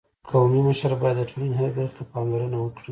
قومي مشر باید د ټولني هري برخي ته پاملرنه وکړي.